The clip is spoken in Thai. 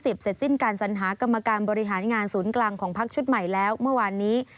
เสร็จสิ้นการสัญหากรรมการบริหารงานศูนย์กลางของพักชุดใหม่แล้วเมื่อวานนี้